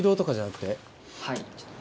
はい。